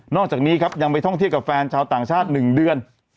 อกจากนี้ครับยังไปท่องเที่ยวกับแฟนชาวต่างชาติ๑เดือน